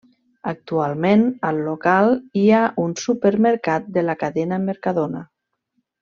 Actualment, al local hi ha un supermercat de la cadena Mercadona.